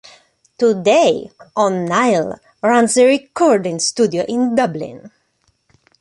Today, O'Neill runs a recording studio in Dublin.